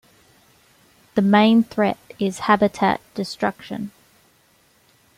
The main threat is habitat destruction.